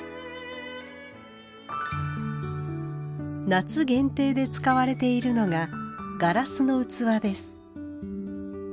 夏限定で使われているのがガラスの器です。